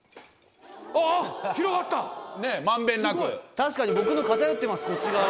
確かに僕の偏ってますこっち側。